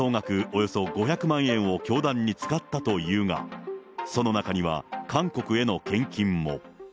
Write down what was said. およそ５００万円を教団に使ったというが、その中には韓国への献金も。